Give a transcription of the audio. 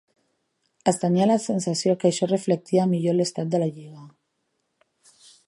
Es tenia la sensació que això reflectia millor l'estat de la lliga.